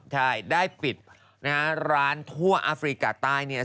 ใช่ได้ปิดร้านทั่วอฟริกาใต้